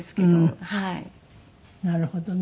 なるほどね。